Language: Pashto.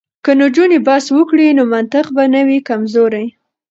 که نجونې بحث وکړي نو منطق به نه وي کمزوری.